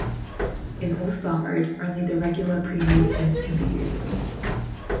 In All-Star mode, only the regular pre-made teams can be used.